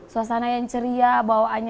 suasana yang ceria bawaannya